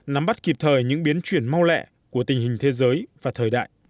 nắm bắt kịp thời những biến chuyển mau lẹ của tình hình thế giới và thời đại